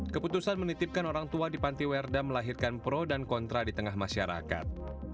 keputusan menitipkan orang tua di pantiwerda melahirkan pro dan kontra di tengah masyarakat